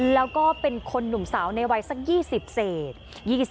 แล้วก็เป็นคนหนุ่มสาวในวัยสัก๒๐เศษ